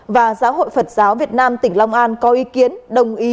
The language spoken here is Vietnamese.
và giáo hội phật giáo việt nam tỉnh long an có ý kiến đồng ý